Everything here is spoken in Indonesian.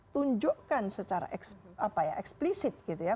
tunjukkan secara eksplisit gitu ya